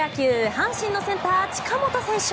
阪神のセンター、近本選手。